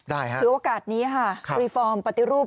ถือโอกาสนี้ค่ะรีฟอร์มปฏิรูป